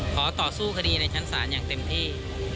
ขอต่อสู้คดีในชั้นศาลอย่างเต็มที่